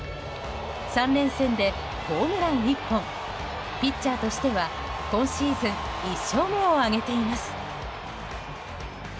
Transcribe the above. ３連戦でホームラン１本ピッチャーとしては今シーズン１勝目を挙げています。